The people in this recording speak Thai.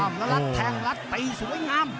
แล้วรัดแทงรัดตีสวยงาม